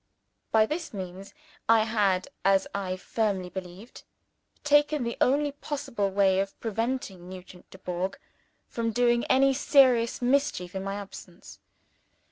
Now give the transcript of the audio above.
By this means I had, as I firmly believed, taken the only possible way of preventing Nugent Dubourg from doing any serious mischief in my absence.